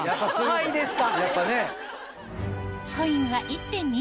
「はい」ですか。